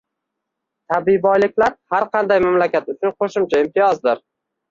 Tabiiy boyliklar har qanday mamlakat uchun qo‘shimcha imtiyozdir.